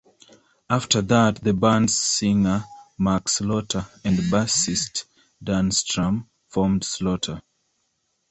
After that, the band's singer Mark Slaughter and bassist Dana Strum formed Slaughter.